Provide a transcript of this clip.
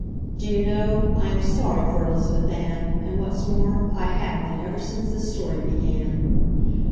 Do you know, I am sorry for Elizabeth Ann, and, what's more, I have been ever since this story began.